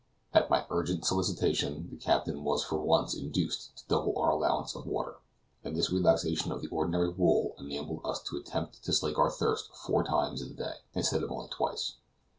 At my urgent solicitation, the captain was for once induced to double our allowance of water; and this relaxation of the ordinary rule enabled us to attempt to slake our thirst four times in the day, instead of only twice.